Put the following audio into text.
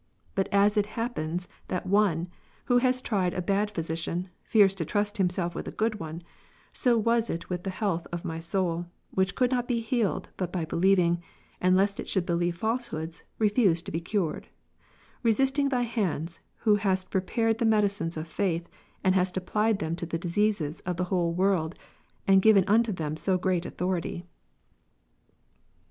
But as it happens that one, who has tried a bad i:)hysician, fears to trust himself with a good one, so was it with the health of my soul, which could not be healed but by believing, and lest it should believe falsehoods, refused to be cured ; resisting Thy hands, who hast prepared the medicines of faith, and hast applied tliem to the diseases of the whole world, and given unto them so great authority.